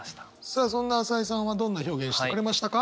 さあそんな朝井さんはどんな表現してくれましたか？